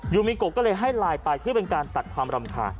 มิโกะก็เลยให้ไลน์ไปเพื่อเป็นการตัดความรำคาญ